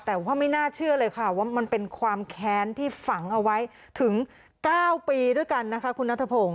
แต่ว่าไม่น่าเชื่อเลยค่ะว่ามันเป็นความแค้นที่ฝังเอาไว้ถึง๙ปีด้วยกันนะคะคุณนัทพงศ